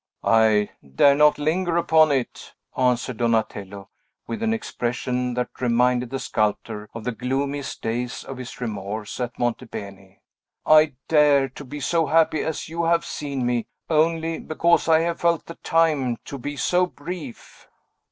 "I dare not linger upon it," answered Donatello, with an expression that reminded the sculptor of the gloomiest days of his remorse at Monte Beni. "I dare to be so happy as you have seen me, only because I have felt the time to be so brief."